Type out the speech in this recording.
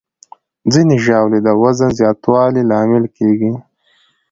ځینې ژاولې د وزن زیاتوالي لامل کېږي.